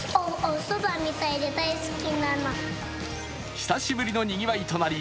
久しぶりのにぎわいとなり